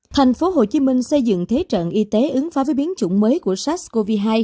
thành phố hồ chí minh xây dựng thế trận y tế ứng phó với biến chủng mới của sars cov hai